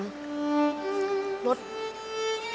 โทรหาลูกชายโทรหาลูกชาย